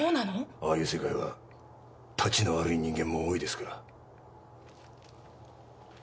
ああいう世界はタチの悪い人間も多いですから。